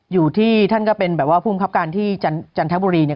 อยู่ที่ท่านก็เป็นแบบว่าภูมิครับการที่จันทบุรีเนี่ย